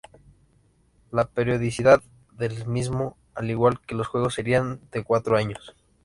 La periodicidad del mismo, al igual que los Juegos, sería de cuatro años.